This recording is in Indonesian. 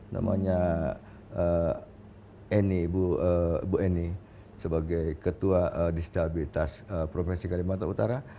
namanya bu eni sebagai ketua distabilitas provinsi kalimantan utara